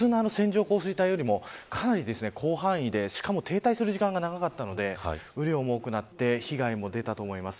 普通の線状降水帯よりかなり広範囲で、しかも停滞する時間が長かったので雨量も多くなって被害も出たと思います。